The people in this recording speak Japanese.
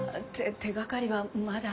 手がかりはまだ。